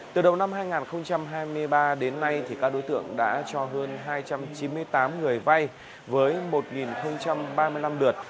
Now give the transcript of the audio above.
từ đầu năm hai nghìn hai mươi ba đến nay các đối tượng đã cho hơn hai trăm chín mươi tám người vay với một ba mươi năm lượt